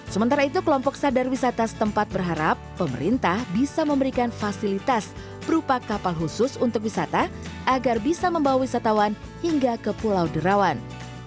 sementara itu kelompok sadar wisata setempat berharap pemerintah bisa memberikan fasilitas berupa kapal khusus untuk wisata agar bisa membawa wisatawan hingga ke pulau derawan